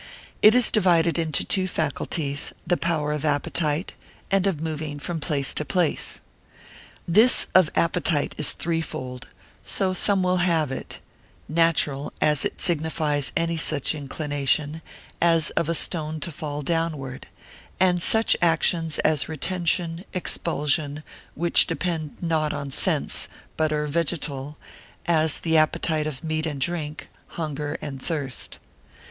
It is divided into two faculties, the power of appetite, and of moving from place to place. This of appetite is threefold, so some will have it; natural, as it signifies any such inclination, as of a stone to fall downward, and such actions as retention, expulsion, which depend not on sense, but are vegetal, as the appetite of meat and drink; hunger and thirst.